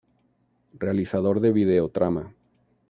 Realizador de "Vídeo Trama".